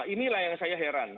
inilah yang saya heran